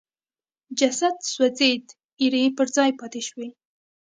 جسد سوځېد ایرې پر ځای پاتې شوې.